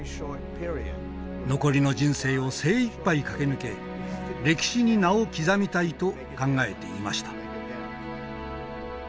残りの人生を精いっぱい駆け抜け歴史に名を刻みたいと考えていました。